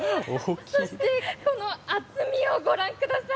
そしてこの厚みをご覧ください。